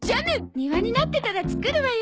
庭になってたら作るわよ。